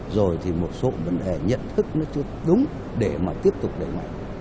rồi thì một số vấn đề nhận thức nó chưa đúng để mà tiếp tục đẩy mạnh